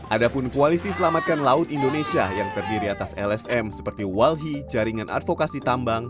ada pun koalisi selamatkan laut indonesia yang terdiri atas lsm seperti walhi jaringan advokasi tambang